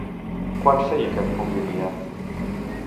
Quant feia que convivien?